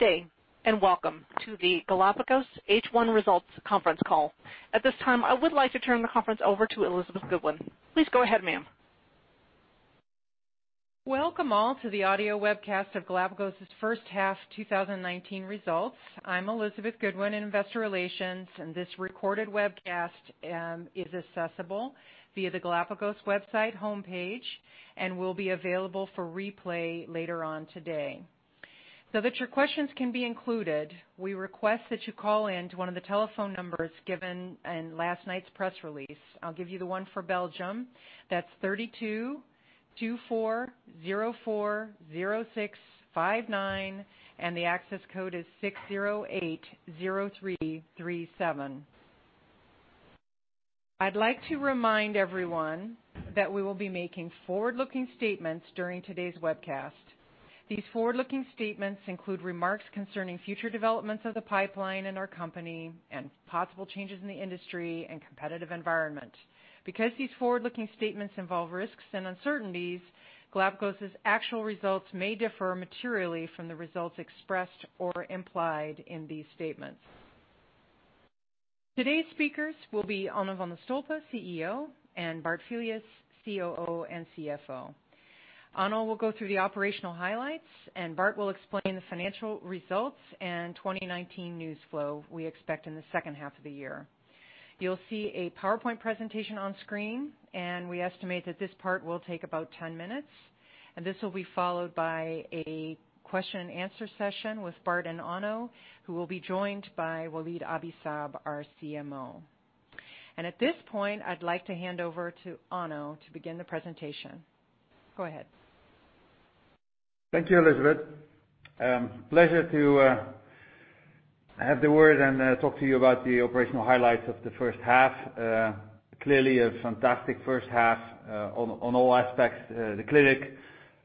Good day. Welcome to the Galapagos H1 Results Conference Call. At this time, I would like to turn the conference over to Elizabeth Goodwin. Please go ahead, ma'am. Welcome all to the audio webcast of Galapagos's first half 2019 results. I'm Elizabeth Goodwin in investor relations, and this recorded webcast is accessible via the Galapagos website homepage and will be available for replay later on today. That your questions can be included, we request that you call in to one of the telephone numbers given in last night's press release. I'll give you the one for Belgium. That's 32-2404-0659, and the access code is 6080337. I'd like to remind everyone that we will be making forward-looking statements during today's webcast. These forward-looking statements include remarks concerning future developments of the pipeline in our company and possible changes in the industry and competitive environment. Because these forward-looking statements involve risks and uncertainties, Galapagos's actual results may differ materially from the results expressed or implied in these statements. Today's speakers will be Onno van de Stolpe, CEO, and Bart Filius, COO and CFO. Onno will go through the operational highlights, and Bart will explain the financial results and 2019 news flow we expect in the second half of the year. You'll see a PowerPoint presentation on screen, and we estimate that this part will take about 10 minutes, and this will be followed by a question and answer session with Bart and Onno, who will be joined by Walid Abi-Saab, our CMO. At this point, I'd like to hand over to Onno to begin the presentation. Go ahead. Thank you, Elizabeth. Pleasure to have the word and talk to you about the operational highlights of the first half. Clearly a fantastic first half on all aspects, the clinic,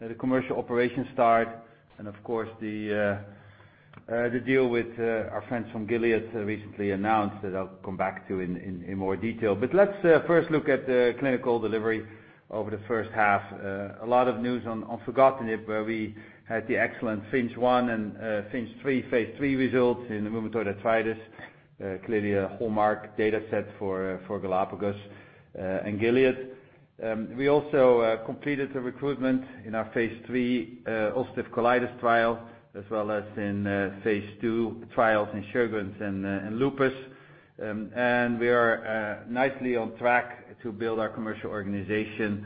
the commercial operation start, of course, the deal with our friends from Gilead recently announced that I'll come back to in more detail. Let's first look at the clinical delivery over the first half. A lot of news on filgotinib, where we had the excellent FINCH 1 and FINCH 3 phase III results in rheumatoid arthritis. Clearly a hallmark data set for Galapagos and Gilead. We also completed the recruitment in our phase III ulcerative colitis trial, as well as in phase II trials in Sjögren's and lupus. We are nicely on track to build our commercial organization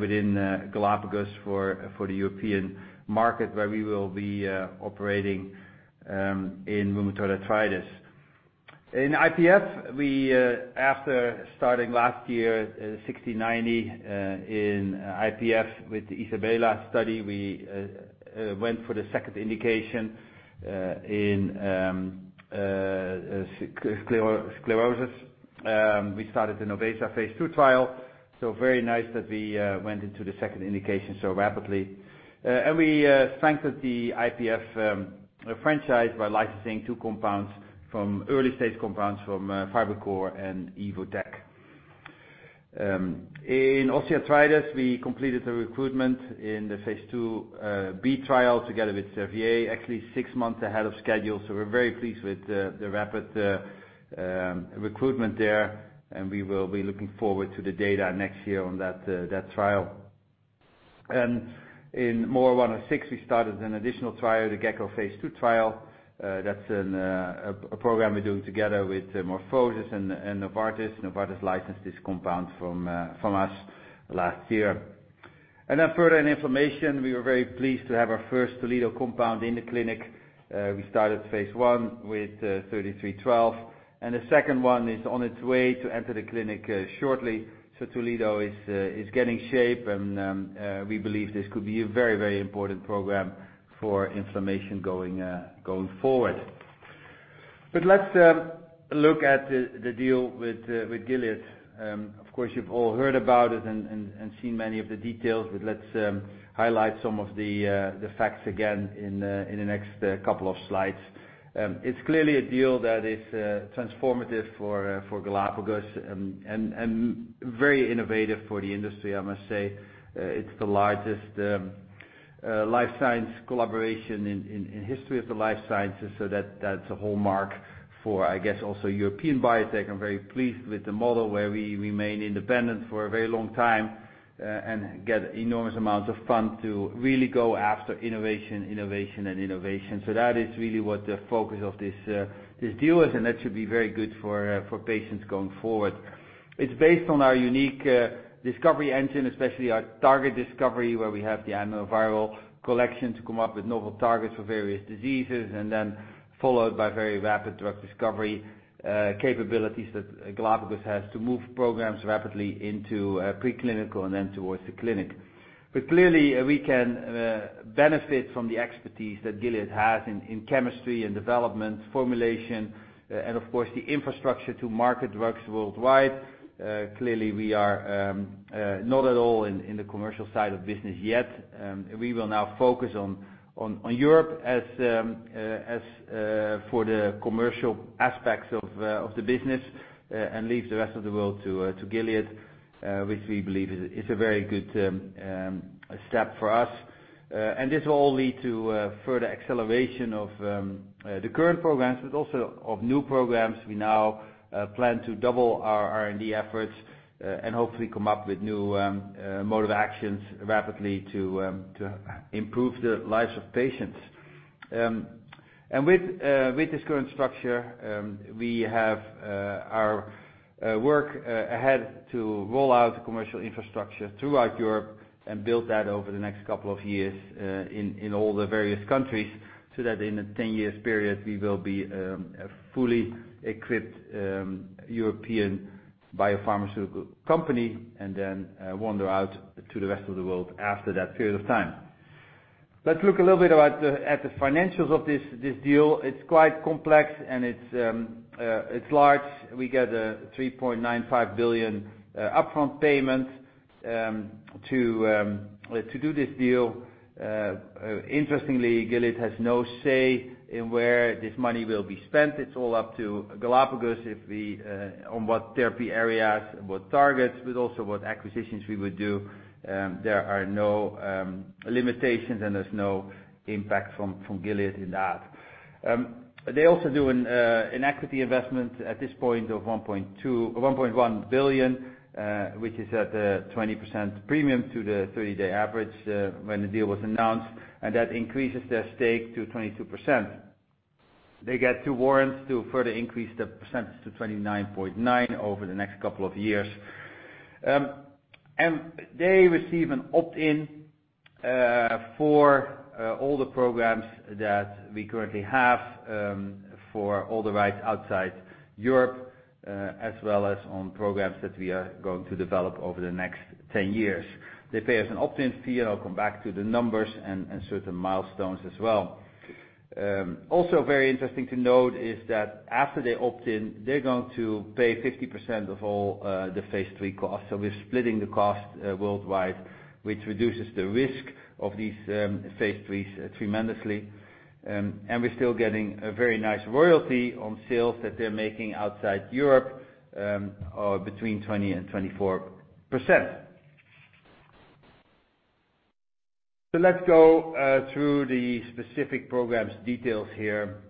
within Galapagos for the European market, where we will be operating in rheumatoid arthritis. In IPF, after starting last year 60/90 in IPF with the ISABELA study, we went for the second indication in sclerosis. We started the NOVESA phase II trial, very nice that we went into the second indication so rapidly. We strengthened the IPF franchise by licensing two early-stage compounds from FibroCor and Evotec. In osteoarthritis, we completed the recruitment in the phase IIB trial together with Servier, actually six months ahead of schedule, we're very pleased with the rapid recruitment there, we will be looking forward to the data next year on that trial. In MOR106, we started an additional trial, the GECKO phase II trial. That's a program we're doing together with MorphoSys and Novartis. Novartis licensed this compound from us last year. Further in inflammation, we were very pleased to have our first Toledo compound in the clinic. We started phase I with 3312. The second one is on its way to enter the clinic shortly. Toledo is getting shape. We believe this could be a very important program for inflammation going forward. Let's look at the deal with Gilead. Of course, you've all heard about it and seen many of the details. Let's highlight some of the facts again in the next couple of slides. It's clearly a deal that is transformative for Galapagos and very innovative for the industry, I must say. It's the largest life science collaboration in history of the life sciences. That's a hallmark for, I guess, also European biotech. I'm very pleased with the model where we remain independent for a very long time and get enormous amounts of fund to really go after innovation. That is really what the focus of this deal is, and that should be very good for patients going forward. It's based on our unique discovery engine, especially our target discovery, where we have the antiviral collection to come up with novel targets for various diseases, and then followed by very rapid drug discovery capabilities that Galapagos has to move programs rapidly into preclinical and then towards the clinic. Clearly, we can benefit from the expertise that Gilead has in chemistry and development, formulation, and of course, the infrastructure to market drugs worldwide. Clearly, we are not at all in the commercial side of business yet. We will now focus on Europe for the commercial aspects of the business, and leave the rest of the world to Gilead, which we believe is a very good step for us. This will all lead to further acceleration of the current programs, but also of new programs. We now plan to double our R&D efforts, and hopefully come up with new mode of actions rapidly to improve the lives of patients. With this current structure, we have our work ahead to roll out the commercial infrastructure throughout Europe and build that over the next couple of years in all the various countries, so that in a 10 years period, we will be a fully equipped European biopharmaceutical company and then wander out to the rest of the world after that period of time. Let's look a little bit at the financials of this deal. It's quite complex and it's large. We get a $3.95 billion upfront payment to do this deal. Interestingly, Gilead has no say in where this money will be spent. It's all up to Galapagos on what therapy areas, what targets, but also what acquisitions we would do. There are no limitations, and there's no impact from Gilead in that. They also do an equity investment at this point of $1.1 billion, which is at a 20% premium to the 30-day average, when the deal was announced, and that increases their stake to 22%. They get two warrants to further increase the percentage to 29.9% over the next couple of years. They receive an opt-in for all the programs that we currently have for all the rights outside Europe, as well as on programs that we are going to develop over the next 10 years. They pay us an opt-in fee, and I'll come back to the numbers and certain milestones as well. Very interesting to note is that after they opt-in, they're going to pay 50% of all the phase III costs. We're splitting the cost worldwide, which reduces the risk of these phase IIIs tremendously. We're still getting a very nice royalty on sales that they're making outside Europe, between 20%-24%. Let's go through the specific programs details here.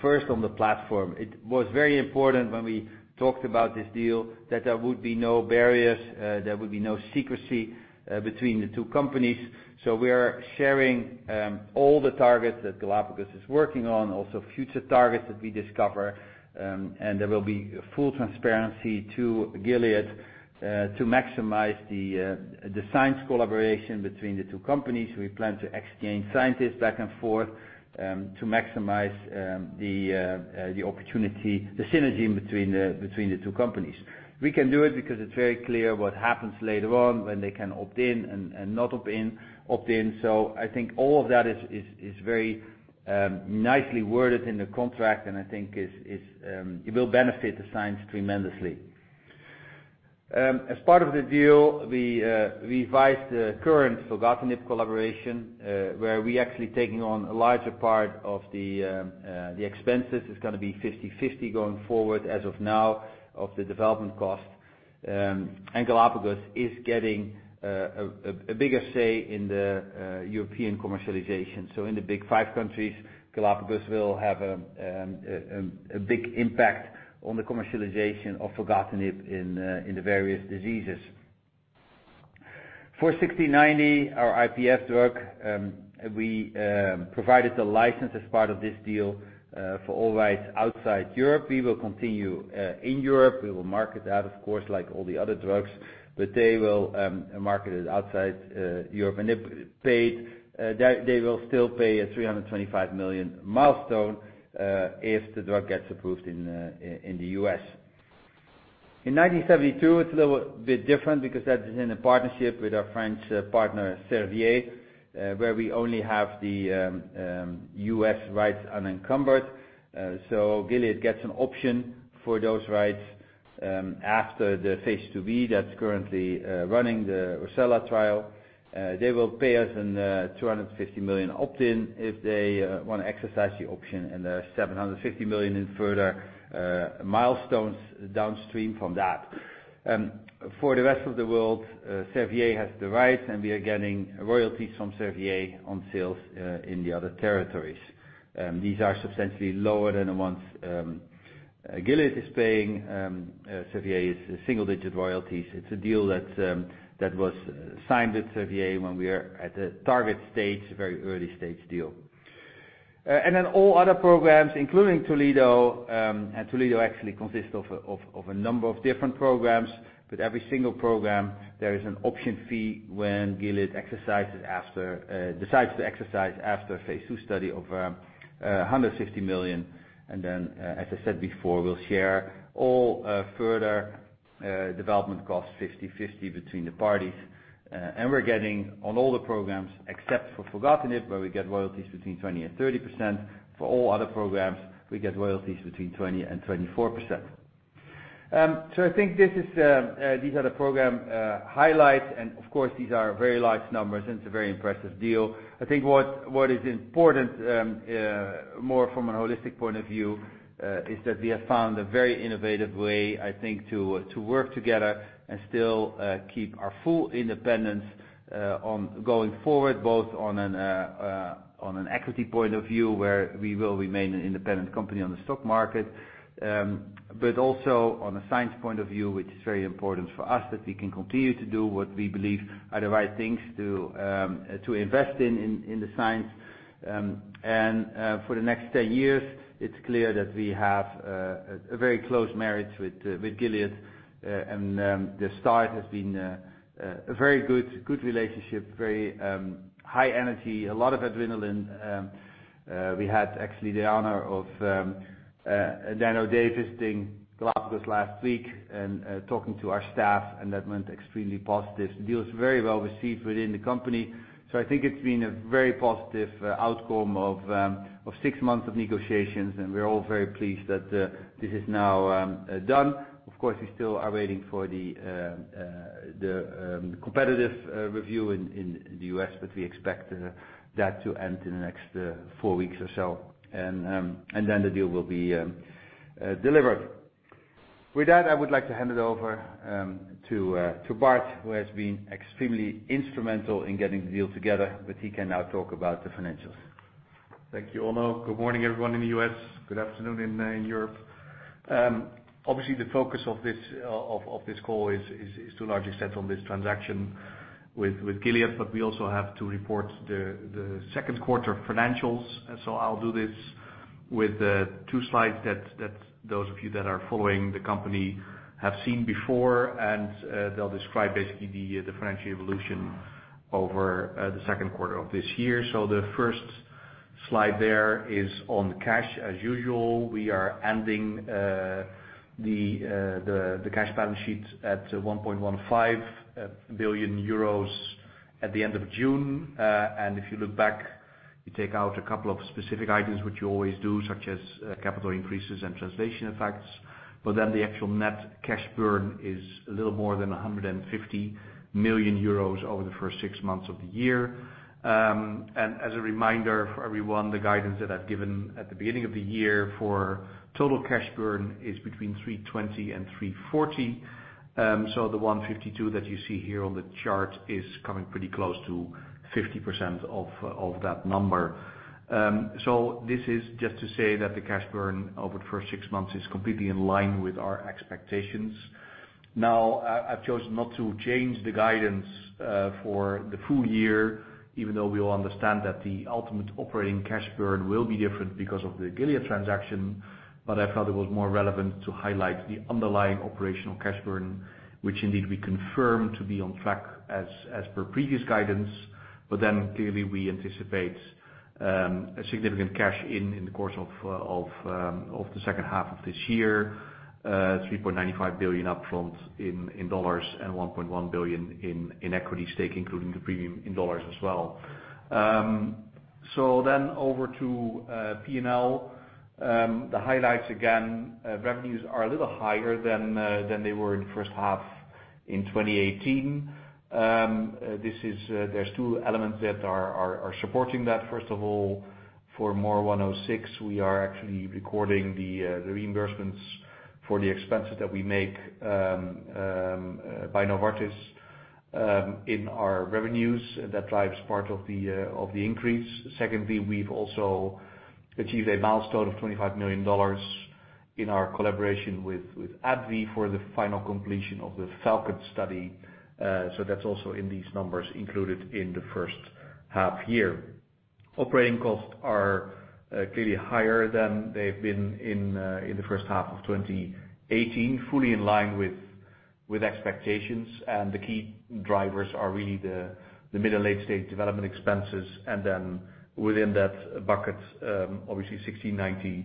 First, on the platform. It was very important when we talked about this deal that there would be no barriers, there would be no secrecy between the two companies. We are sharing all the targets that Galapagos is working on, also future targets that we discover, and there will be full transparency to Gilead to maximize the science collaboration between the two companies. We plan to exchange scientists back and forth to maximize the synergy between the two companies. We can do it because it's very clear what happens later on when they can opt-in and not opt-in. I think all of that is very nicely worded in the contract, and I think it will benefit the science tremendously. As part of the deal, we revised the current filgotinib collaboration, where we actually taking on a larger part of the expenses. It's going to be 50/50 going forward as of now of the development cost. Galapagos is getting a bigger say in the European commercialization. In the big five countries, Galapagos will have a big impact on the commercialization of filgotinib in the various diseases. For 1690, our IPF drug, we provided the license as part of this deal for all rights outside Europe. We will continue in Europe. We will market that, of course, like all the other drugs, but they will market it outside Europe. They will still pay a 325 million milestone if the drug gets approved in the U.S. 1972, it's a little bit different because that is in a partnership with our French partner, Servier, where we only have the U.S. rights unencumbered. Gilead gets an option for those rights after the phase II-b that's currently running the ROCCELLA trial. They will pay us a 350 million opt-in if they want to exercise the option, and 750 million in further milestones downstream from that. For the rest of the world, Servier has the rights, and we are getting royalties from Servier on sales in the other territories. These are substantially lower than the ones Gilead is paying. Servier is single-digit royalties. It's a deal that was signed with Servier when we are at a target stage, a very early-stage deal. All other programs, including Toledo. Toledo actually consists of a number of different programs. Every single program, there is an option fee when Gilead decides to exercise after phase II study of 150 million. Then, as I said before, we'll share all further development costs 50/50 between the parties. We're getting on all the programs except for filgotinib, where we get royalties between 20%-30%. For all other programs, we get royalties between 20%-24%. I think these are the program highlights, and of course, these are very large numbers and it's a very impressive deal. I think what is important, more from a holistic point of view, is that we have found a very innovative way, I think, to work together and still keep our full independence going forward, both on an equity point of view, where we will remain an independent company on the stock market, but also on a science point of view, which is very important for us, that we can continue to do what we believe are the right things to invest in the science. For the next 10 years, it's clear that we have a very close marriage with Gilead, and the start has been a very good relationship, very high energy, a lot of adrenaline. We had actually the honor of Dan O'Day visiting Galapagos last week and talking to our staff, and that went extremely positive. The deal is very well received within the company. I think it's been a very positive outcome of six months of negotiations, and we're all very pleased that this is now done. Of course, we still are waiting for the competitive review in the U.S., but we expect that to end in the next four weeks or so. The deal will be delivered. With that, I would like to hand it over to Bart, who has been extremely instrumental in getting the deal together. He can now talk about the financials. Thank you, Onno. Good morning, everyone in the U.S. Good afternoon in Europe. Obviously, the focus of this call is to largely set on this transaction with Gilead, but we also have to report the second quarter financials. I'll do this with two slides that those of you that are following the company have seen before, and they'll describe basically the financial evolution over the second quarter of this year. The first slide there is on cash. As usual, we are ending the cash balance sheet at 1.15 billion euros at the end of June. If you look back, you take out a couple of specific items which you always do, such as capital increases and translation effects, the actual net cash burn is a little more than 150 million euros over the first six months of the year. As a reminder for everyone, the guidance that I've given at the beginning of the year for total cash burn is between 320 million and 340 million. The 152 million that you see here on the chart is coming pretty close to 50% of that number. This is just to say that the cash burn over the first six months is completely in line with our expectations. I've chosen not to change the guidance for the full year, even though we all understand that the ultimate operating cash burn will be different because of the Gilead transaction. I felt it was more relevant to highlight the underlying operational cash burn, which indeed we confirm to be on track as per previous guidance. Clearly we anticipate a significant cash in the course of the second half of this year, $3.95 billion upfront in dollars and $1.1 billion in equity stake, including the premium in dollars as well. Over to P&L. The highlights, again, revenues are a little higher than they were in the first half in 2018. There's two elements that are supporting that. First of all, for MOR106, we are actually recording the reimbursements for the expenses that we make by Novartis in our revenues. That drives part of the increase. Secondly, we've also achieved a milestone of $25 million in our collaboration with AbbVie for the final completion of the FALCON study. That's also in these numbers included in the first half year. Operating costs are clearly higher than they've been in the first half of 2018, fully in line with expectations, the key drivers are really the mid- and late-stage development expenses. Within that bucket, obviously 1690,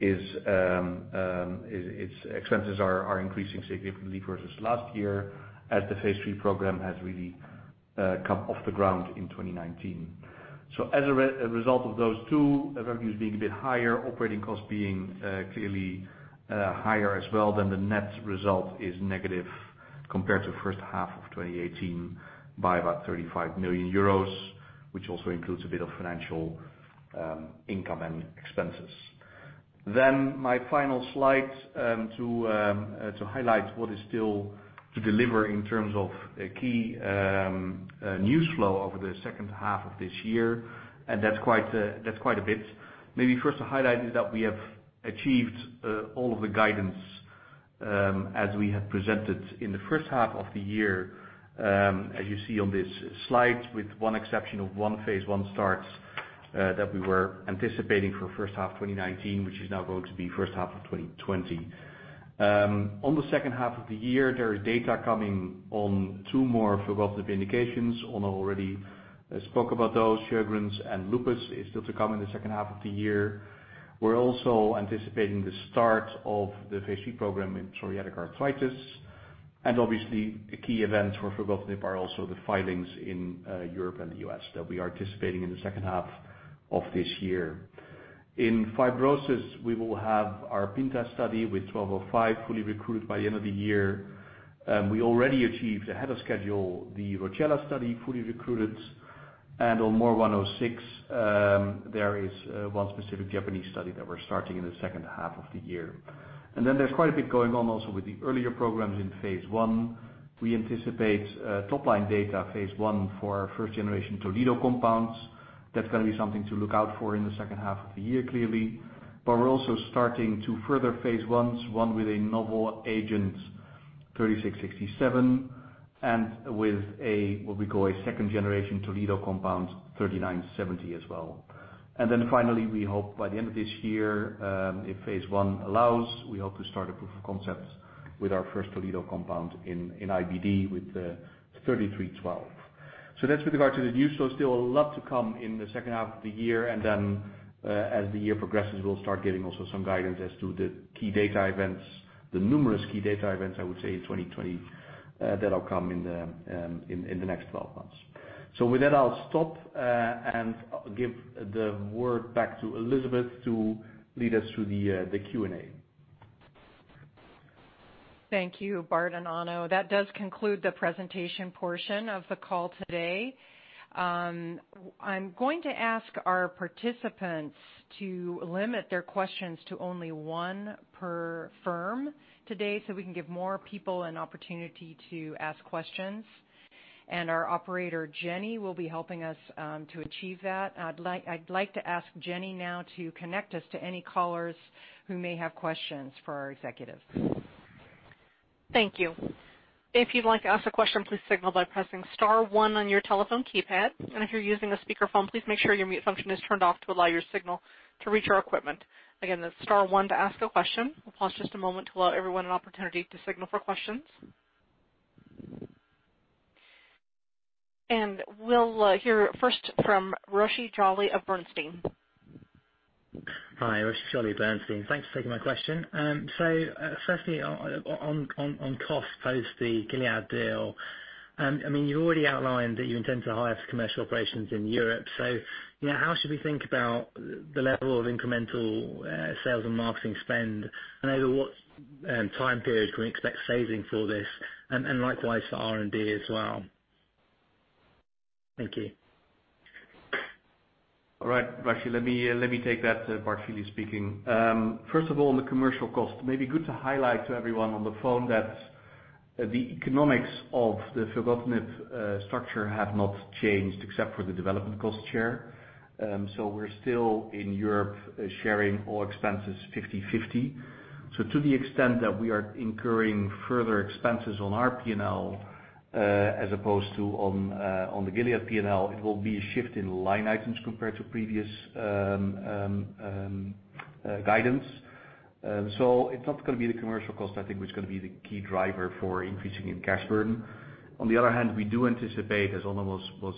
its expenses are increasing significantly versus last year as the phase III program has really come off the ground in 2019. As a result of those two, revenues being a bit higher, operating costs being clearly higher as well, the net result is negative compared to the first half of 2018 by about €35 million, which also includes a bit of financial income and expenses. My final slide to highlight what is still to deliver in terms of key news flow over the second half of this year, and that's quite a bit. Maybe first to highlight is that we have achieved all of the guidance as we have presented in the first half of the year. As you see on this slide, with one exception of one phase I starts that we were anticipating for first half 2019, which is now going to be first half of 2020. On the second half of the year, there is data coming on two more for both of the indications. Onno already spoke about those. Sjögren's and Lupus is still to come in the second half of the year. We're also anticipating the start of the phase III program in psoriatic arthritis. Obviously, a key event for filgotinib are also the filings in Europe and the U.S. that we are anticipating in the second half of this year. In fibrosis, we will have our PINTA study with GLPG1205 fully recruited by the end of the year. We already achieved ahead of schedule, the ROCCELLA study, fully recruited. On MOR106, there is one specific Japanese study that we're starting in the second half of the year. Then there's quite a bit going on also with the earlier programs in phase I. We anticipate top line data phase I for our first generation Toledo compounds. That's going to be something to look out for in the second half of the year, clearly. We're also starting two further phase Is, one with a novel agent, 3667, and with a, what we call a second generation Toledo compound, 3970 as well. Finally, we hope by the end of this year, if phase I allows, we hope to start a proof of concept with our first Toledo compound in IBD with 3312. That's with regard to the news. Still a lot to come in the second half of the year. As the year progresses, we'll start giving also some guidance as to the key data events, the numerous key data events, I would say, in 2020, that'll come in the next 12 months. With that, I'll stop, and give the word back to Elizabeth to lead us through the Q&A. Thank you, Bart and Onno. That does conclude the presentation portion of the call today. I'm going to ask our participants to limit their questions to only one per firm today so we can give more people an opportunity to ask questions. Our operator, Jenny, will be helping us to achieve that. I'd like to ask Jenny now to connect us to any callers who may have questions for our executives. Thank you. If you'd like to ask a question, please signal by pressing star one on your telephone keypad. If you're using a speakerphone, please make sure your mute function is turned off to allow your signal to reach our equipment. Again, that's star one to ask a question. We'll pause just a moment to allow everyone an opportunity to signal for questions. We'll hear first from Rashi Jolly of Bernstein. Hi. Rashi Jolly, Bernstein. Thanks for taking my question. Firstly, on costs post the Gilead deal. You've already outlined that you intend to hire for commercial operations in Europe. How should we think about the level of incremental sales and marketing spend, and over what time period can we expect saving for this? Likewise for R&D as well. Thank you. All right, Rashi, let me take that. Bart speaking. First of all, on the commercial cost, maybe good to highlight to everyone on the phone that the economics of the filgotinib structure have not changed except for the development cost share. We're still in Europe sharing all expenses 50/50. To the extent that we are incurring further expenses on our P&L, as opposed to on the Gilead P&L, it will be a shift in line items compared to previous guidance. It's not going to be the commercial cost, I think, which is going to be the key driver for increasing in cash burn. On the other hand, we do anticipate, as Onno was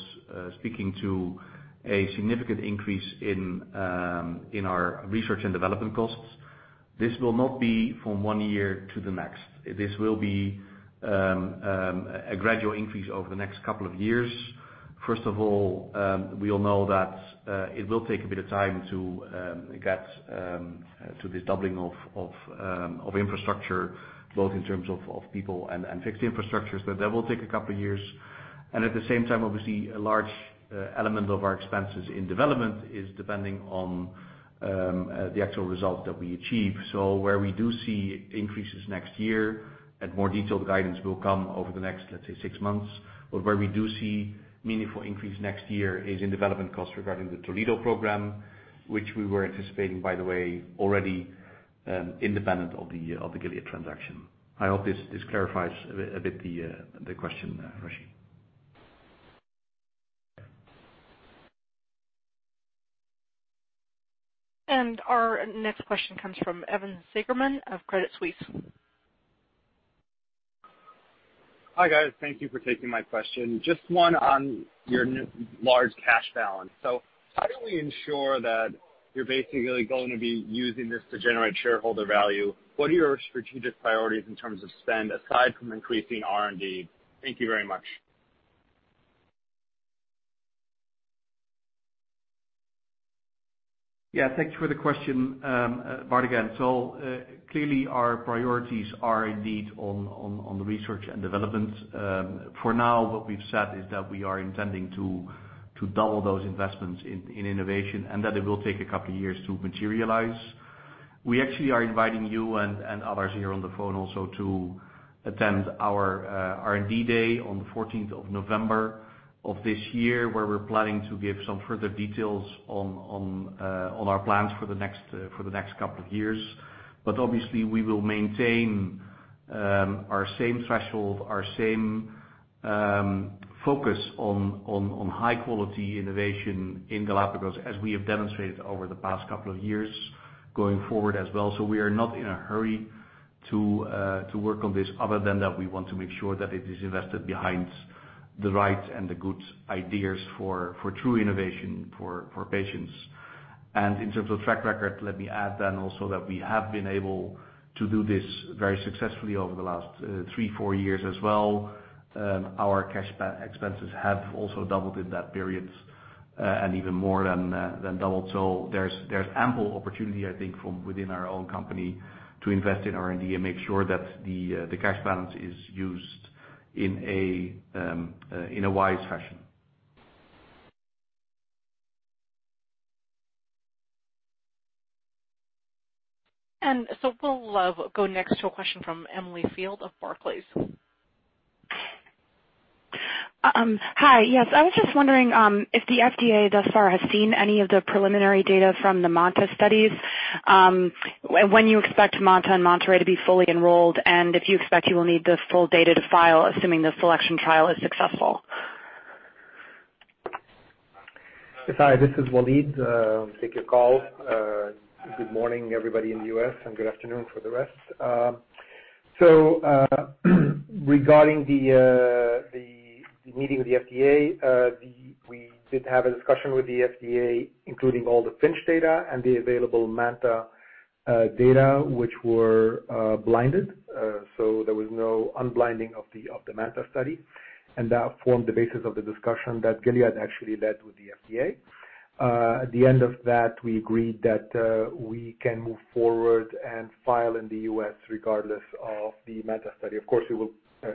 speaking to, a significant increase in our research and development costs. This will not be from one year to the next. This will be a gradual increase over the next couple of years. First of all, we all know that it will take a bit of time to get to this doubling of infrastructure, both in terms of people and fixed infrastructure. That will take a couple of years. At the same time, obviously, a large element of our expenses in development is depending on the actual result that we achieve. Where we do see increases next year, and more detailed guidance will come over the next, let's say, six months. Where we do see meaningful increase next year is in development costs regarding the Toledo program, which we were anticipating, by the way, already independent of the Gilead transaction. I hope this clarifies a bit the question, Rashi. Our next question comes from Evan Seigerman of Credit Suisse. Hi, guys. Thank you for taking my question. Just one on your large cash balance. How do we ensure that you're basically going to be using this to generate shareholder value? What are your strategic priorities in terms of spend, aside from increasing R&D? Thank you very much. Thank you for the question. Bart again. Clearly our priorities are indeed on the R&D. For now, what we've said is that we are intending to double those investments in innovation, and that it will take a couple of years to materialize. We actually are inviting you and others here on the phone also to attend our R&D Day on the 14th of November of this year, where we're planning to give some further details on our plans for the next couple of years. Obviously we will maintain our same threshold, our same focus on high quality innovation in Galapagos as we have demonstrated over the past couple of years going forward as well. We are not in a hurry to work on this other than that we want to make sure that it is invested behind the right and the good ideas for true innovation for patients. In terms of track record, let me add then also that we have been able to do this very successfully over the last three, four years as well. Our cash expenses have also doubled in that period, and even more than doubled. There's ample opportunity, I think, from within our own company to invest in R&D and make sure that the cash balance is used in a wise fashion. We'll go next to a question from Emily Field of Barclays. Hi. Yes. I was just wondering if the FDA thus far has seen any of the preliminary data from the MANTA studies, when you expect MANTA and MANTA-RAy to be fully enrolled, and if you expect you will need the full data to file, assuming the SELECTION trial is successful? Yes. Hi, this is Walid. Take your call. Good morning, everybody in the U.S., and good afternoon for the rest. Regarding the meeting with the FDA, we did have a discussion with the FDA, including all the FINCH data and the available MANTA data, which were blinded. There was no unblinding of the MANTA study. That formed the basis of the discussion that Gilead actually led with the FDA. At the end of that, we agreed that we can move forward and file in the U.S. regardless of the MANTA study. Of course, we will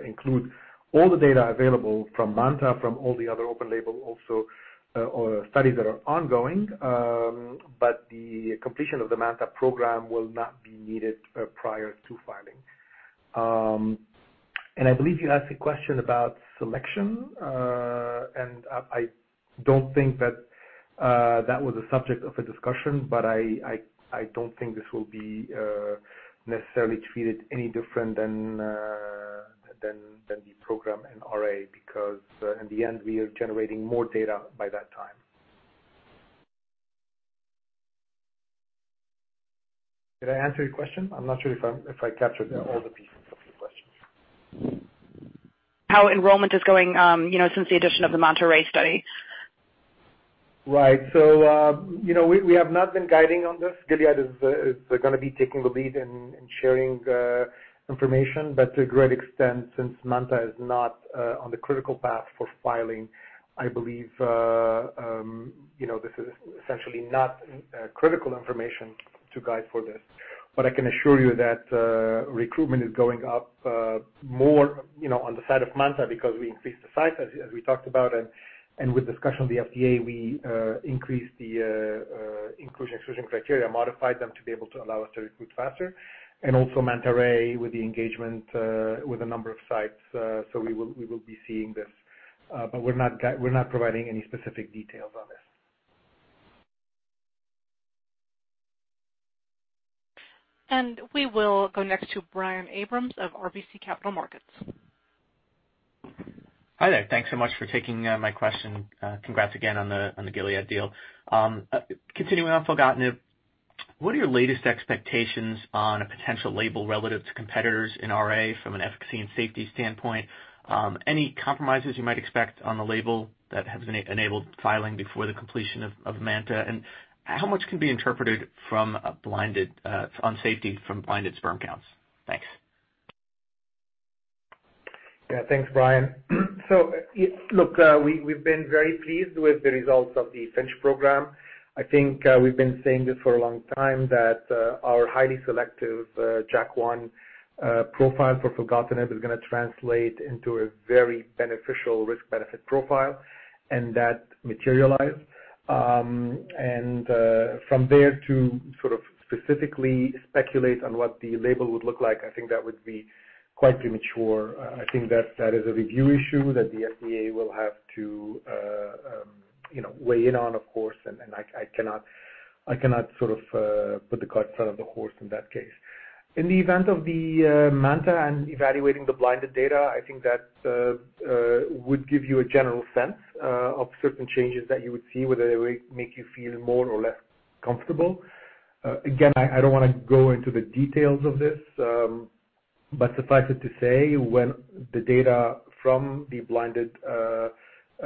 include all the data available from MANTA, from all the other open label also, or studies that are ongoing. The completion of the MANTA program will not be needed prior to filing. I believe you asked a question about SELECTION. I don't think that was a subject of a discussion, but I don't think this will be necessarily treated any different than the program in RA, because in the end, we are generating more data by that time. Did I answer your question? I'm not sure if I captured all the pieces of your questions. How enrollment is going since the addition of the MANTA-RAy study? Right. We have not been guiding on this. Gilead is going to be taking the lead in sharing information. To a great extent, since MANTA is not on the critical path for filing, I believe, this is essentially not critical information to guide for this. I can assure you that recruitment is going up more on the side of MANTA because we increased the site, as we talked about. With discussion with the FDA, we increased the inclusion/exclusion criteria, modified them to be able to allow us to recruit faster. Also MANTA-RAy, with the engagement with a number of sites, we will be seeing this. We're not providing any specific details on this. We will go next to Brian Abrahams of RBC Capital Markets. Hi there. Thanks so much for taking my question. Congrats again on the Gilead deal. Continuing on filgotinib, what are your latest expectations on a potential label relative to competitors in RA from an efficacy and safety standpoint? Any compromises you might expect on the label that has enabled filing before the completion of MANTA? How much can be interpreted on safety from blinded sperm counts? Thanks. Yeah. Thanks, Brian. We've been very pleased with the results of the FINCH program. I think we've been saying this for a long time, that our highly selective JAK1 profile for filgotinib is going to translate into a very beneficial risk-benefit profile, and that materialized. To sort of specifically speculate on what the label would look like, I think that would be quite premature. I think that is a review issue that the FDA will have to weigh in on, of course, and I cannot sort of put the cart in front of the horse in that case. In the event of the MANTA and evaluating the blinded data, I think that would give you a general sense of certain changes that you would see, whether they make you feel more or less comfortable. Again, I don't want to go into the details of this. Suffice it to say, when the data from the blinded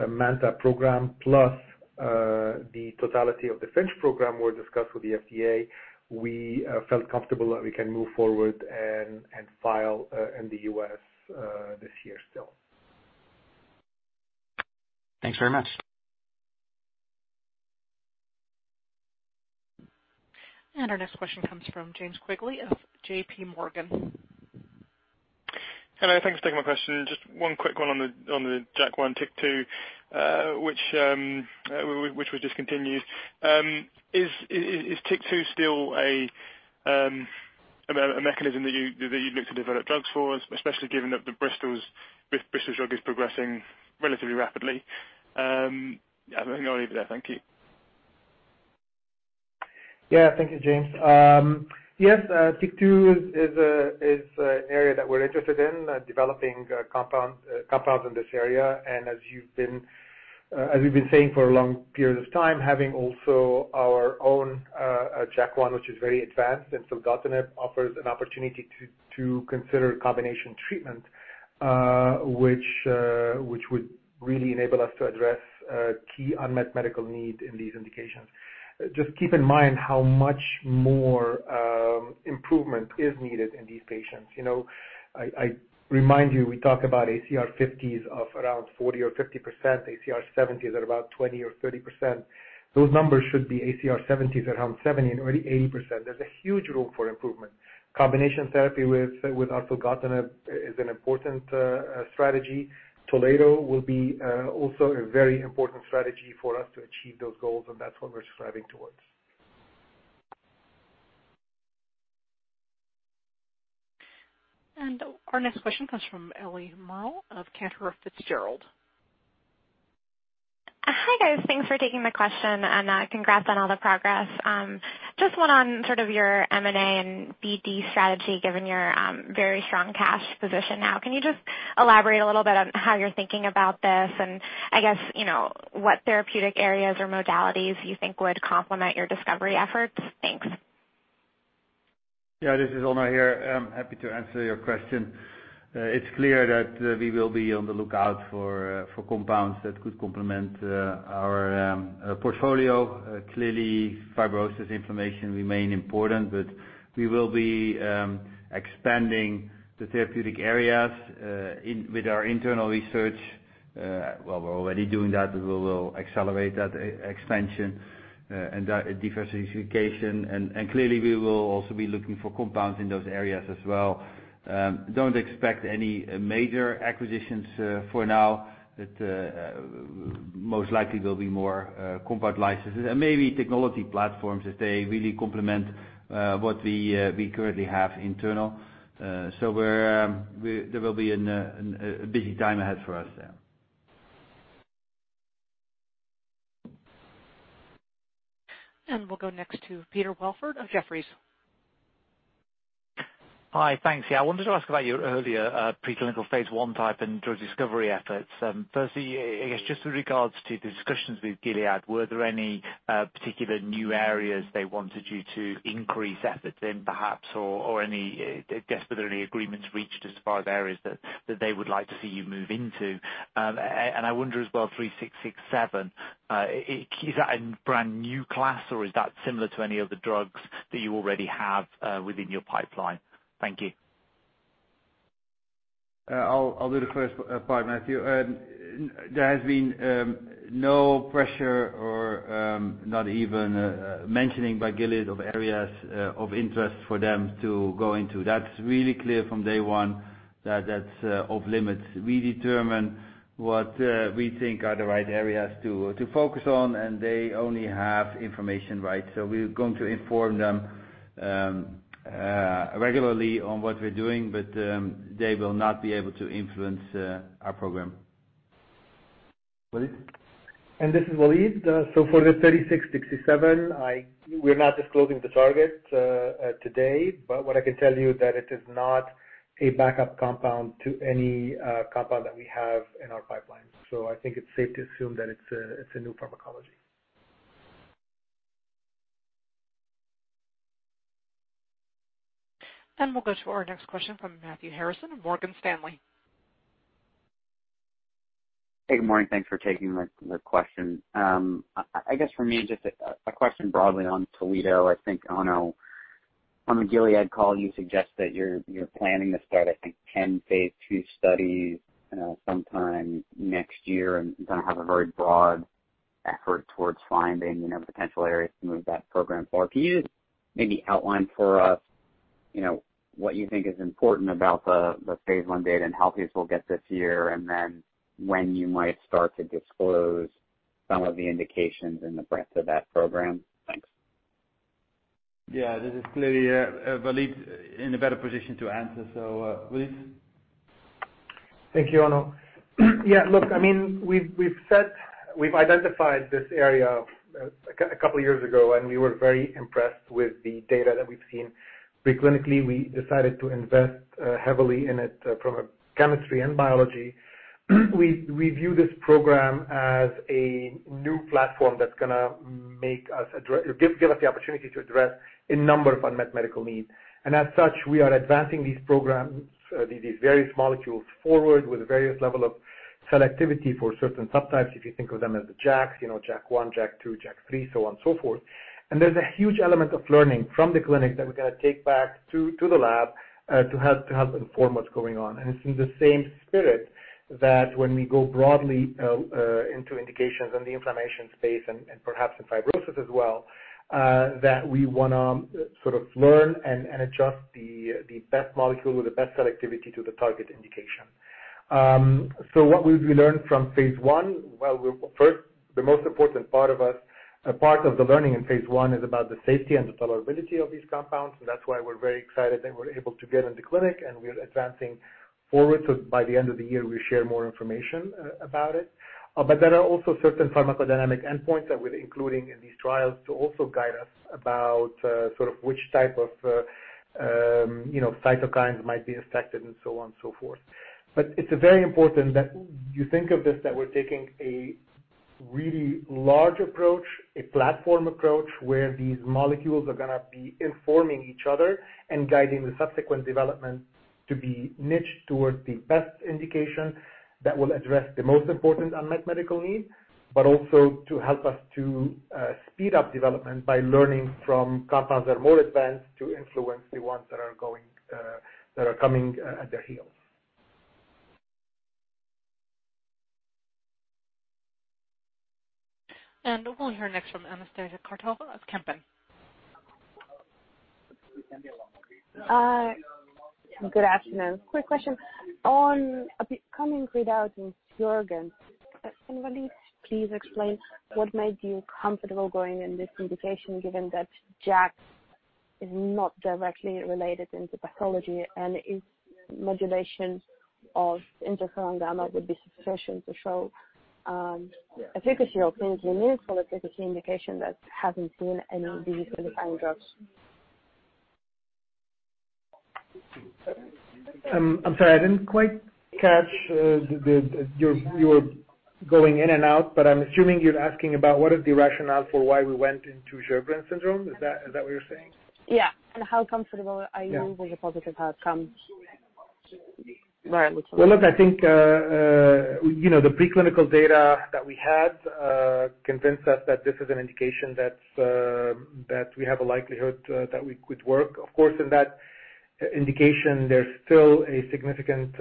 MANTA program plus the totality of the FINCH program were discussed with the FDA, we felt comfortable that we can move forward and file in the U.S. this year still. Thanks very much. Our next question comes from James Quigley of JPMorgan. Hello. Thanks for taking my question. Just one quick one on the JAK1 TYK2 which was discontinued. Is TYK2 still a mechanism that you'd look to develop drugs for, especially given that Bristol's drug is progressing relatively rapidly? I think I'll leave it there. Thank you. Yeah. Thank you, James. Yes, TYK2 is an area that we're interested in, developing compounds in this area. As we've been saying for a long period of time, having also our own JAK1, which is very advanced, and filgotinib offers an opportunity to consider combination treatment which would really enable us to address a key unmet medical need in these indications. Just keep in mind how much more improvement is needed in these patients. I remind you, we talk about ACR 50s of around 40%-50%, ACR 70s at about 20%-30%. Those numbers should be ACR 70s around 70%-80%. There's a huge room for improvement. Combination therapy with filgotinib is an important strategy. Toledo will be also a very important strategy for us to achieve those goals, and that's what we're striving towards. Our next question comes from Ellie Merle of Cantor Fitzgerald. Hi, guys. Thanks for taking the question and congrats on all the progress. Just one on sort of your M&A and BD strategy, given your very strong cash position now. Can you just elaborate a little bit on how you're thinking about this and I guess, what therapeutic areas or modalities you think would complement your discovery efforts? Thanks. Yeah, this is Onno here. I'm happy to answer your question. It's clear that we will be on the lookout for compounds that could complement our portfolio. Clearly, fibrosis inflammation remain important, but we will be expanding the therapeutic areas with our internal research. Well, we're already doing that, but we will accelerate that expansion and diversification, and clearly we will also be looking for compounds in those areas as well. Don't expect any major acquisitions for now. That most likely will be more compound licenses and maybe technology platforms if they really complement what we currently have internal. There will be a busy time ahead for us there. We'll go next to Peter Welford of Jefferies. Hi, thanks. Yeah, I wanted to ask about your earlier preclinical phase I type and drug discovery efforts. Firstly, I guess just with regards to the discussions with Gilead, were there any particular new areas they wanted you to increase efforts in, perhaps, or any agreements reached as far as areas that they would like to see you move into? I wonder as well, 3667, is that a brand new class or is that similar to any of the drugs that you already have within your pipeline? Thank you. I'll do the first part, Matthew. There has been no pressure or not even mentioning by Gilead of areas of interest for them to go into. That's really clear from day one that that's off limits. We determine what we think are the right areas to focus on. They only have information, right? We're going to inform them regularly on what we're doing. They will not be able to influence our program. Walid? This is Walid. For the 3667, we're not disclosing the target today. What I can tell you is that it is not a backup compound to any compound that we have in our pipeline. I think it's safe to assume that it's a new pharmacology. We'll go to our next question from Matthew Harrison of Morgan Stanley. Hey, good morning. Thanks for taking the question. I guess, for me, just a question broadly on Toledo. I think, Onno, on the Gilead call, you suggest that you're planning to start, I think, 10 phase II studies sometime next year and kind of have a very broad effort towards finding potential areas to move that program forward. Can you just maybe outline for us what you think is important about the phase I data and how things will get this year, and then when you might start to disclose some of the indications and the breadth of that program? Thanks. Yeah, this is clearly Walid in a better position to answer. Walid? Thank you, Onno. Look, we've identified this area a couple of years ago, and we were very impressed with the data that we've seen pre-clinically. We decided to invest heavily in it from a chemistry and biology. We view this program as a new platform that's going to give us the opportunity to address a number of unmet medical needs. As such, we are advancing these programs, these various molecules forward with various level of selectivity for certain subtypes, if you think of them as the JAKs, you know, JAK1, JAK2, JAK3, so on and so forth. There's a huge element of learning from the clinic that we're going to take back to the lab to help inform what's going on. It's in the same spirit that when we go broadly into indications in the inflammation space and perhaps in fibrosis as well, that we want to sort of learn and adjust the best molecule with the best selectivity to the target indication. What we've learned from phase I? Well, first, the most important part of the learning in phase I is about the safety and the tolerability of these compounds, and that's why we're very excited that we're able to get into clinic and we're advancing forward. By the end of the year, we'll share more information about it. There are also certain pharmacodynamic endpoints that we're including in these trials to also guide us about sort of which type of cytokine might be affected and so on and so forth. It's very important that you think of this, that we're taking a really large approach, a platform approach, where these molecules are going to be informing each other and guiding the subsequent development to be niched towards the best indication that will address the most important unmet medical need, but also to help us to speed up development by learning from compounds that are more advanced to influence the ones that are coming at their heels. We'll hear next from Anastasia Karpova of Kempen. Good afternoon. Quick question. On becoming read out in Sjögren's, can you at least please explain what made you comfortable going in this indication, given that JAK is not directly related in the pathology and its modulation of interferon gamma would be sufficient to show efficacy or clinically meaningful efficacy indication that hasn't seen any de-certifying drugs? I'm sorry. I didn't quite catch. You were going in and out, but I'm assuming you're asking about what is the rationale for why we went into Sjögren's syndrome. Is that what you're saying? Yeah, and how comes with a positive outcome? Well, look, I think, the preclinical data that we had convinced us that this is an indication that we have a likelihood that we could work. Of course, in that indication, there's still a significant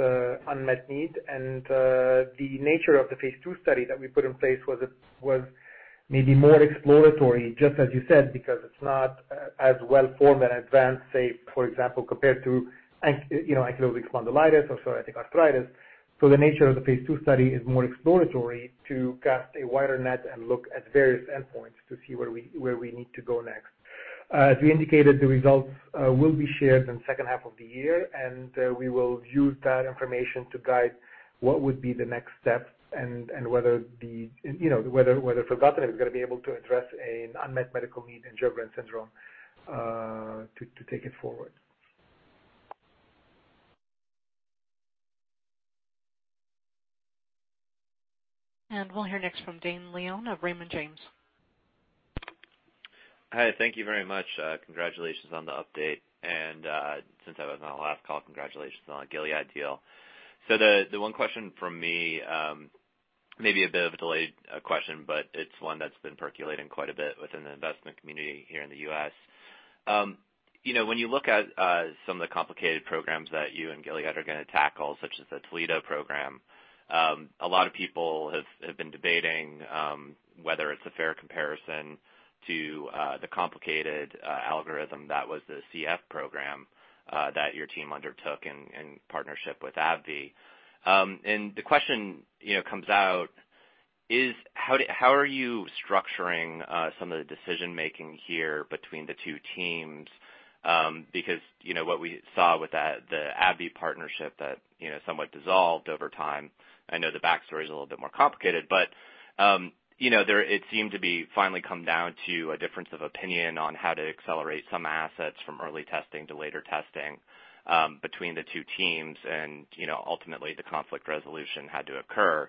unmet need, and the nature of the phase II study that we put in place was maybe more exploratory, just as you said, because it's not as well formed and advanced, say, for example, compared to ankylosing spondylitis or psoriatic arthritis. The nature of the phase II study is more exploratory to cast a wider net and look at various endpoints to see where we need to go next. As we indicated, the results will be shared in the second half of the year, and we will use that information to guide what would be the next step and whether filgotinib is going to be able to address an unmet medical need in Sjögren's syndrome to take it forward. We'll hear next from Dane Leone of Raymond James. Hi. Thank you very much. Congratulations on the update. Since I was not on the last call, congratulations on the Gilead deal. The one question from me, may be a bit of a delayed question, but it's one that's been percolating quite a bit within the investment community here in the U.S. When you look at some of the complicated programs that you and Gilead are going to tackle, such as the Toledo program, a lot of people have been debating whether it's a fair comparison to the complicated algorithm that was the CF program, that your team undertook in partnership with AbbVie. The question comes out is, how are you structuring some of the decision-making here between the two teams? What we saw with the AbbVie partnership that somewhat dissolved over time, I know the backstory is a little bit more complicated, but it seemed to be finally come down to a difference of opinion on how to accelerate some assets from early testing to later testing, between the two teams and, ultimately the conflict resolution had to occur.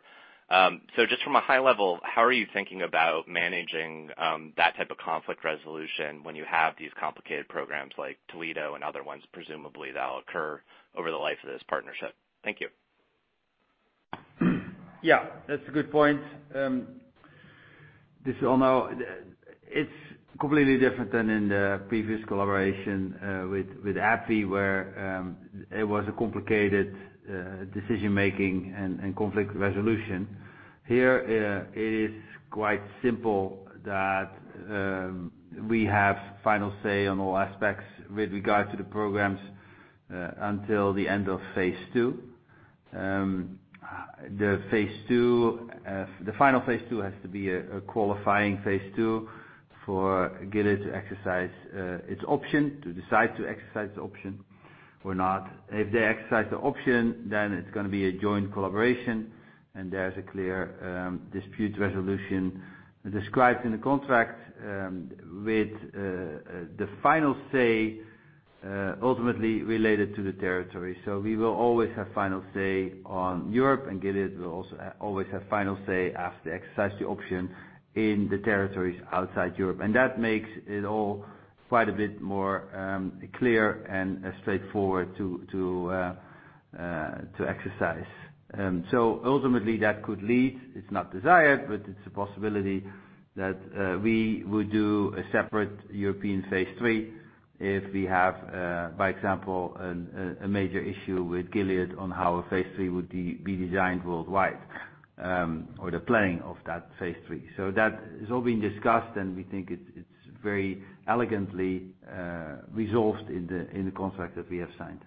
Just from a high level, how are you thinking about managing that type of conflict resolution when you have these complicated programs like Toledo and other ones presumably that'll occur over the life of this partnership? Thank you. That's a good point. This all now, it's completely different than in the previous collaboration, with AbbVie, where it was a complicated decision-making and conflict resolution. It is quite simple that we have final say on all aspects with regard to the programs until the end of phase II. The final phase II has to be a qualifying phase II for Gilead to exercise its option, to decide to exercise the option or not. If they exercise the option, it's going to be a joint collaboration, there's a clear dispute resolution described in the contract, with the final say, ultimately related to the territory. We will always have final say on Europe and Gilead will always have final say after they exercise the option in the territories outside Europe. That makes it all quite a bit more clear and straightforward to exercise. Ultimately that could lead, it's not desired, but it's a possibility that we would do a separate European phase III if we have, by example, a major issue with Gilead on how a phase III would be designed worldwide, or the planning of that phase III. That has all been discussed, and we think it's very elegantly resolved in the contract that we have signed.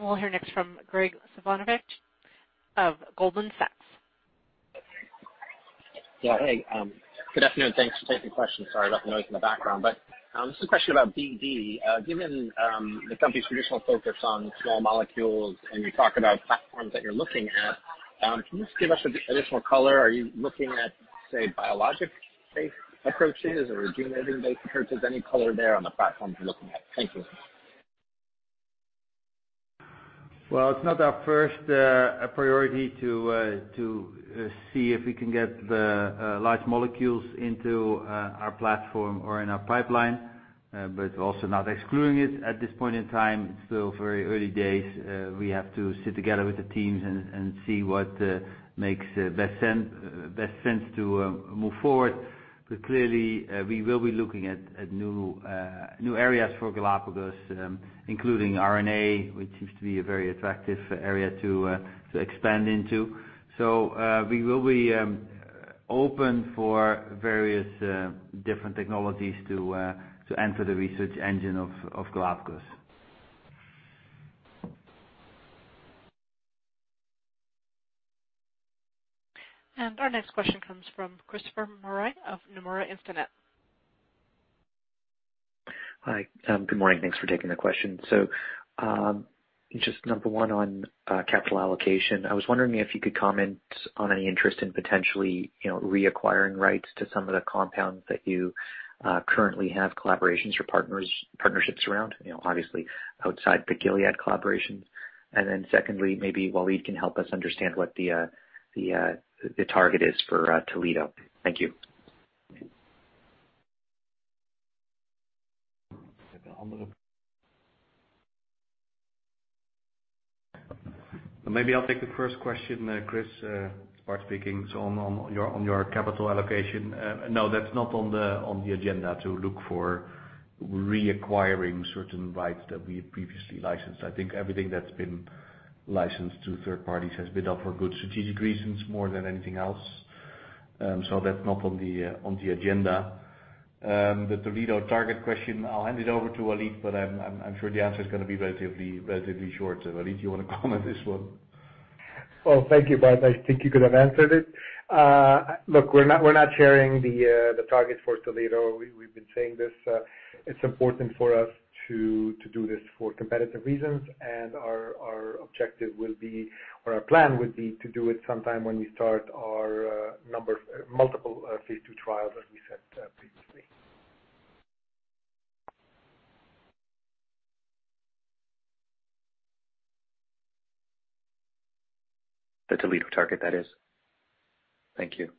We'll hear next from Graig Suvannavejh of Goldman Sachs. Yeah. Hey, good afternoon. Thanks for taking the question. Sorry about the noise in the background, just a question about BD. Given the company's traditional focus on small molecules, you talk about platforms that you're looking at Can you just give us additional color? Are you looking at, say, biologic-based approaches or gene editing-based approaches? Any color there on the platforms you're looking at? Thank you. Well, it's not our first priority to see if we can get the large molecules into our platform or in our pipeline, but also not excluding it at this point in time. It's still very early days. We have to sit together with the teams and see what makes the best sense to move forward. Clearly, we will be looking at new areas for Galapagos, including RNA, which seems to be a very attractive area to expand into. We will be open for various different technologies to enter the research engine of Galapagos. Our next question comes from Christopher Marai of Nomura Instinet. Hi. Good morning. Thanks for taking the question. Just number 1 on capital allocation. I was wondering if you could comment on any interest in potentially reacquiring rights to some of the compounds that you currently have collaborations or partnerships around, obviously outside the Gilead collaborations. Secondly, maybe Walid can help us understand what the target is for Toledo. Thank you. Maybe I'll take the first question, Chris. Bart speaking. On your capital allocation, no, that's not on the agenda to look for reacquiring certain rights that we had previously licensed. I think everything that's been licensed to third parties has been up for good strategic reasons more than anything else. That's not on the agenda. The Toledo target question, I'll hand it over to Walid, but I'm sure the answer is going to be relatively short. Walid, do you want to comment on this one? Well, thank you, Bart. I think you could have answered it. Look, we're not sharing the target for Toledo. We've been saying this. It's important for us to do this for competitive reasons. Our objective will be, or our plan would be to do it sometime when we start our multiple phase II trials, as we said previously. The Toledo target, that is. Thank you.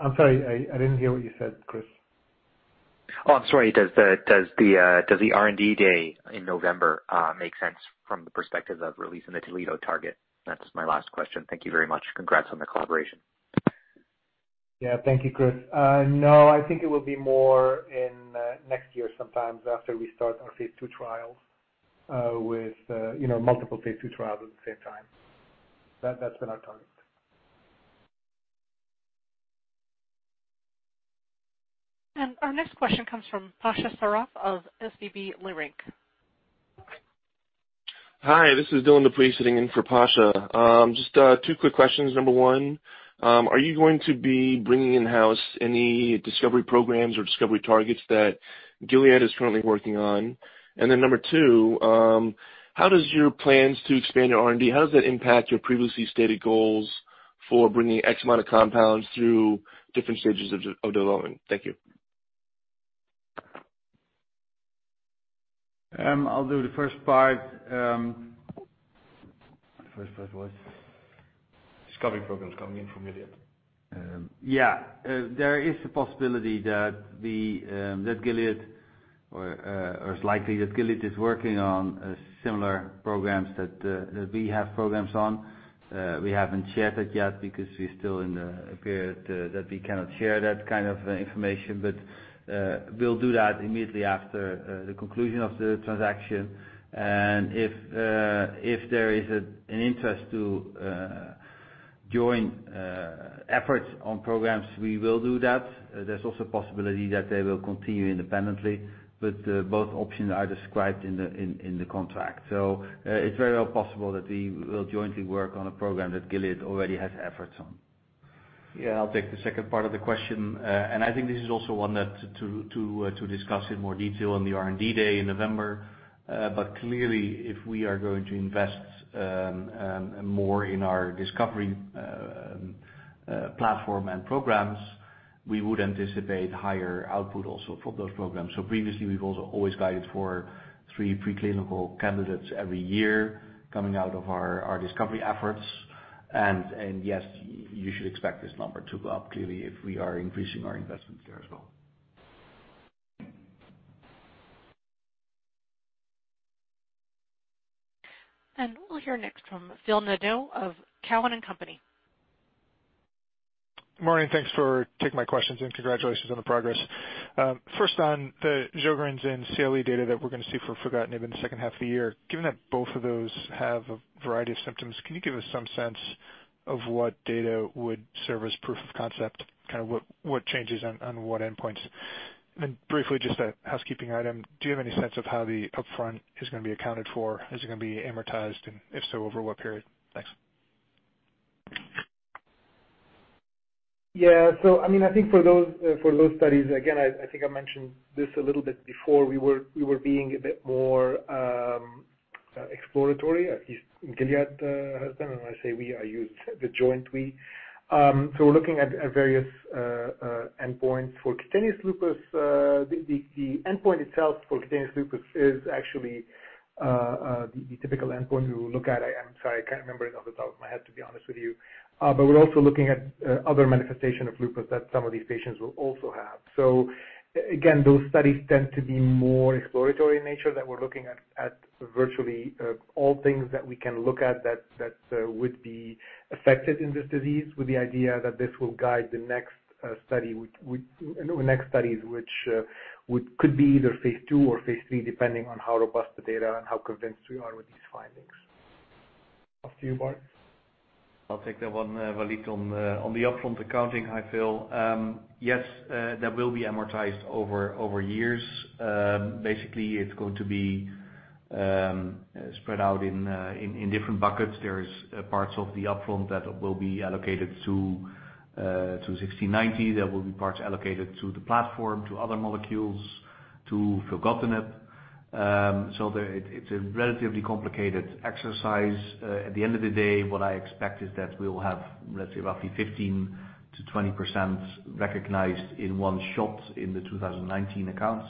I'm sorry, I didn't hear what you said, Chris. Oh, I'm sorry. Does the R&D day in November make sense from the perspective of releasing the Toledo target? That's my last question. Thank you very much. Congrats on the collaboration. Yeah. Thank you, Chris. I think it will be more in next year sometime after we start our phase II trials with multiple phase II trials at the same time. That's been our target. Our next question comes from Pasha Sarraf of SVB Leerink. Hi, this is Dylan Dupuis sitting in for Pasha. Just two quick questions. Number one, are you going to be bringing in-house any discovery programs or discovery targets that Gilead is currently working on? Number two, how does your plans to expand your R&D, how does that impact your previously stated goals for bringing X amount of compounds through different stages of development? Thank you. I'll do the first part. First part was? Discovery programs coming in from Gilead. Yeah. There is a possibility that Gilead, or it's likely that Gilead is working on similar programs that we have programs on. We haven't shared that yet because we're still in a period that we cannot share that kind of information. We'll do that immediately after the conclusion of the transaction. If there is an interest to join efforts on programs, we will do that. There's also a possibility that they will continue independently, both options are described in the contract. It's very well possible that we will jointly work on a program that Gilead already has efforts on. Yeah. I'll take the second part of the question. I think this is also one to discuss in more detail on the R&D day in November. Clearly, if we are going to invest more in our discovery platform and programs, we would anticipate higher output also for those programs. Previously, we've also always guided for three pre-clinical candidates every year coming out of our discovery efforts. Yes, you should expect this number to go up clearly if we are increasing our investments there as well. We'll hear next from Phil Nadeau of Cowen and Company. Morning, thanks for taking my questions and congratulations on the progress. First on the Sjögren's and CLE data that we're going to see for filgotinib in the second half of the year. Given that both of those have a variety of symptoms, can you give us some sense of what data would serve as proof of concept, kind of what changes on what endpoints? Briefly, just a housekeeping item. Do you have any sense of how the upfront is going to be accounted for? Is it going to be amortized, and if so, over what period? Thanks. Yeah. I think for those studies, again, I think I mentioned this a little bit before, we were being a bit more exploratory, at least Gilead has been. When I say we, I use the joint we. We're looking at various endpoints. For cutaneous lupus, the endpoint itself for cutaneous lupus is actually the typical endpoint we will look at. I am sorry, I can't remember it off the top of my head, to be honest with you. We're also looking at other manifestation of lupus that some of these patients will also have. Again, those studies tend to be more exploratory in nature, that we're looking at virtually all things that we can look at that would be affected in this disease, with the idea that this will guide the next studies, which could be either phase II or phase III, depending on how robust the data and how convinced we are with these findings. Off to you, Bart. I'll take that one, Walid, on the upfront accounting, I feel. That will be amortized over years. Basically, it's going to be spread out in different buckets. There is parts of the upfront that will be allocated to 1690. There will be parts allocated to the platform, to other molecules, to filgotinib. It's a relatively complicated exercise. At the end of the day, what I expect is that we will have, let's say, roughly 15%-20% recognized in one shot in the 2019 accounts,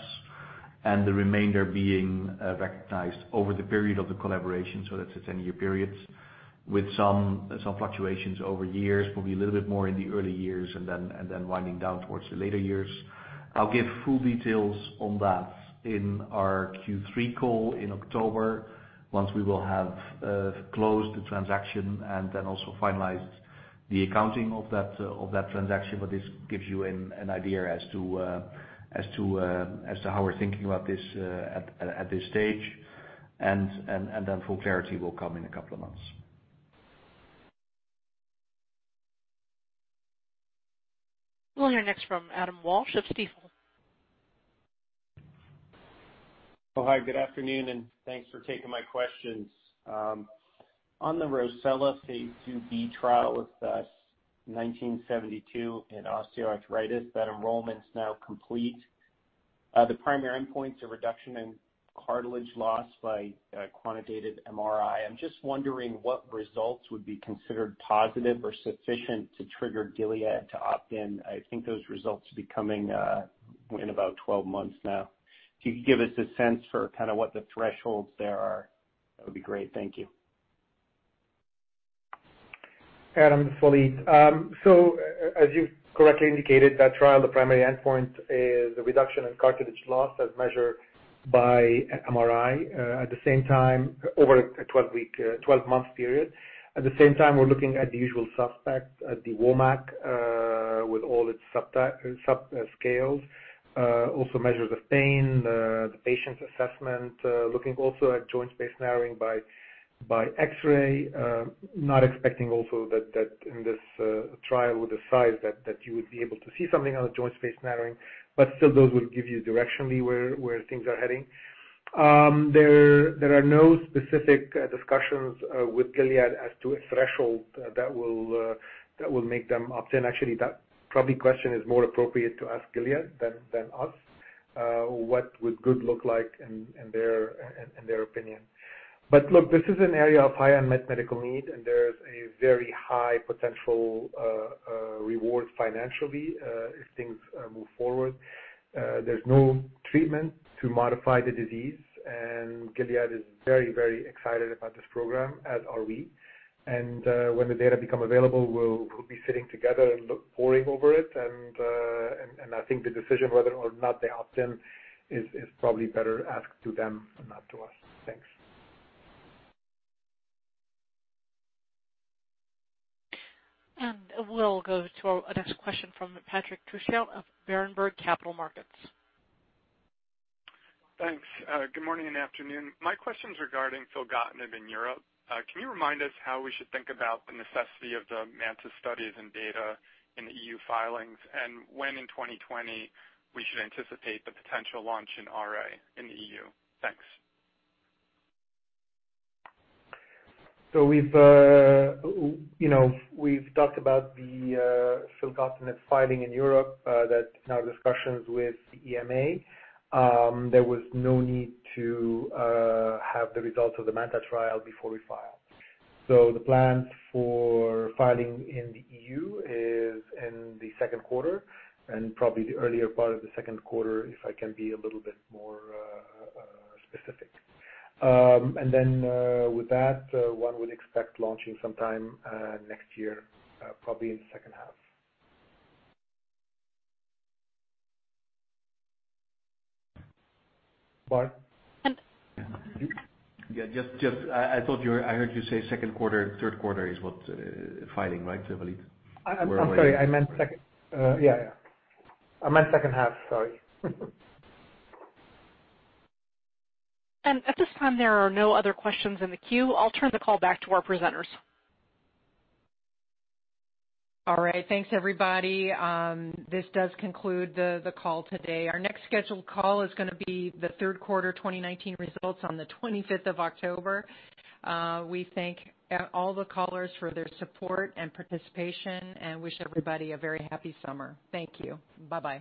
and the remainder being recognized over the period of the collaboration. That's a 10-year period with some fluctuations over years, probably a little bit more in the early years and then winding down towards the later years. I'll give full details on that in our Q3 call in October, once we will have closed the transaction and then also finalized the accounting of that transaction. This gives you an idea as to how we're thinking about this at this stage, and then full clarity will come in a couple of months. We'll hear next from Adam Walsh of Stifel. Oh, hi. Good afternoon. Thanks for taking my questions. On the ROCCELLA phase II-b trial with 1972 in osteoarthritis, that enrollment's now complete. The primary endpoint's a reduction in cartilage loss by quantitated MRI. I'm just wondering what results would be considered positive or sufficient to trigger Gilead to opt in. I think those results will be coming in about 12 months now. If you could give us a sense for kind of what the thresholds there are, that would be great. Thank you. Adam, Walid. As you correctly indicated, that trial, the primary endpoint is a reduction in cartilage loss as measured by MRI over a 12-month period. At the same time, we're looking at the usual suspects, at the WOMAC with all its sub-scales. Also measure the pain, the patient assessment, looking also at joint space narrowing by X-ray. Not expecting also that in this trial with the size, that you would be able to see something on the joint space narrowing, but still those will give you directionally where things are heading. There are no specific discussions with Gilead as to a threshold that will make them opt-in. Actually, that probably question is more appropriate to ask Gilead than us, what would good look like in their opinion. Look, this is an area of high unmet medical need, and there's a very high potential reward financially if things move forward. There's no treatment to modify the disease. Gilead is very excited about this program, as are we. When the data become available, we'll be sitting together and look, poring over it. I think the decision whether or not they opt in is probably better asked to them and not to us. Thanks. We'll go to our next question from Patrick Trucchio of Berenberg Capital Markets. Thanks. Good morning and afternoon. My question's regarding filgotinib in Europe. Can you remind us how we should think about the necessity of the MANTA studies and data in the EU filings, and when in 2020 we should anticipate the potential launch in RA in the EU? Thanks. We've talked about the filgotinib filing in Europe that's now in discussions with the EMA. There was no need to have the results of the MANTA trial before we file. The plan for filing in the EU is in the second quarter, and probably the earlier part of the second quarter, if I can be a little bit more specific. With that, one would expect launching sometime next year, probably in the second half. Bart? Yeah, I thought I heard you say second quarter, third quarter is what filing, right, Walid? I'm sorry. I meant second. Yeah. I meant second half, sorry. At this time, there are no other questions in the queue. I'll turn the call back to our presenters. All right. Thanks, everybody. This does conclude the call today. Our next scheduled call is going to be the third quarter 2019 results on the 25th of October. We thank all the callers for their support and participation, and wish everybody a very happy summer. Thank you. Bye-bye.